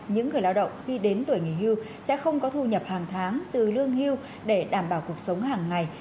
những người lao động khi đến tuổi nghỉ hưu sẽ không có thu nhập hàng tháng từ lương hưu để đảm bảo cuộc sống hàng ngày